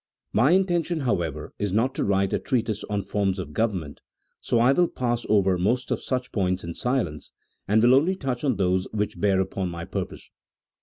My intention, however, is not to write a trea tise on forms of government, so I will pass over most of such points in silence, and will only touch on those which bear upon my purpose.